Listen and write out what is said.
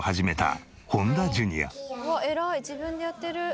自分でやってる。